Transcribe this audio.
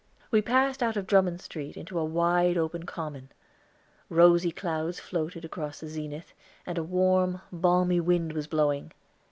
We passed out of Drummond Street into a wide open common. Rosy clouds floated across the zenith, and a warm, balmy wind was blowing.